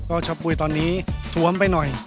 ก็ชะปุ๋ยตอนนี้ถวมไปหน่อย